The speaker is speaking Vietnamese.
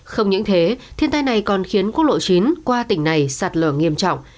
không những thế thiên tai này còn khiến quốc lộ chín qua tỉnh này sạt lở nghiêm trọng